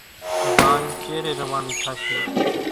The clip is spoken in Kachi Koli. زاڃ چيرين روانِي ٿاشيَ۔